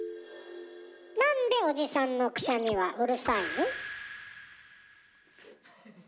なんでおじさんのくしゃみはうるさいの？